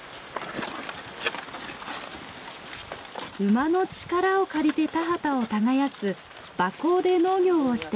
馬の力を借りて田畑を耕す馬耕で農業をしています。